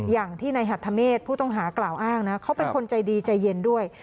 อย่างที่ในหัทธเมษผู้ต้องหากล่าวอ้างนะเขาเป็นคนใจดีใจเย็นด้วย